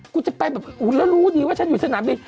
กูจะไปแบบแล้วรู้ดีว่าฉันอยู่สนามบิน